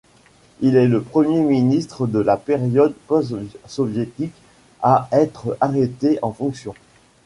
Il est le premier ministre de la période post-soviétique à être arrêté en fonction.